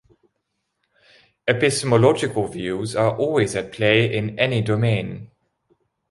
Epistemological views are always at play in any domain.